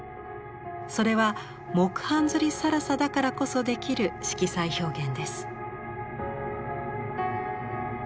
それは木版摺更紗だからこそできる色彩表現です。